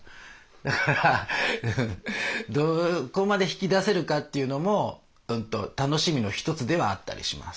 だからどこまで引き出せるかっていうのも楽しみの一つではあったりします。